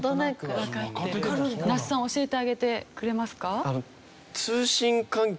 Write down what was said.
那須さん教えてあげてくれますか？